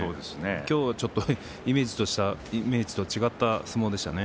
今日は、ちょっとイメージと違った相撲でしたね。